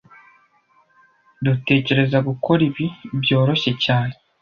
Dutekereza gukora ibi byoroshye cyane